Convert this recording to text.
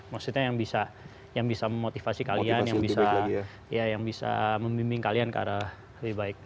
maksudnya yang bisa yang bisa memotivasi kalian yang bisa ya yang bisa membimbing kalian ke arah lebih baik